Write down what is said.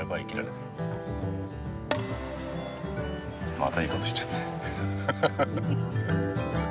またいいこと言っちゃった。